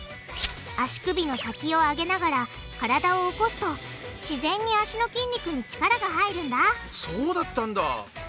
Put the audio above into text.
足首の先を上げながら体を起こすと自然に脚の筋肉に力が入るんだそうだったんだ！